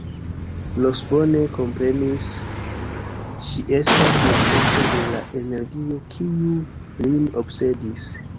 Ros bone komprenis, ŝi estas la fonto de la energio, kiu lin obsedis.